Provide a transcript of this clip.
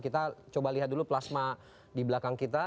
kita coba lihat dulu plasma di belakang kita